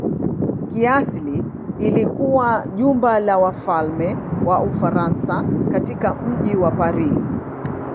Kiasili ilikuwa jumba la wafalme wa Ufaransa katika mji wa Paris.